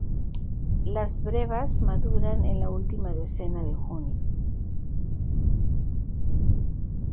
Las brevas maduran en la última decena de junio.